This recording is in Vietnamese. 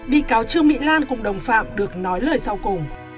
bị cáo trương mỹ lan cùng đồng phạm được nói lời sau cùng